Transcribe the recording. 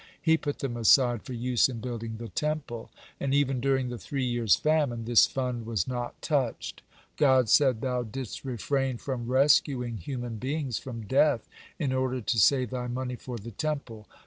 He put them aside for use in building the Temple, and even during the three years' famine this fund was not touched. God said: "Thou didst refrain from rescuing human beings from death, in order to save thy money for the Temple.